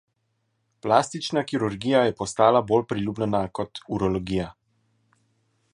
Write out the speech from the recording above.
Plastična kirurgija je postala bolj priljubljena kot urologija.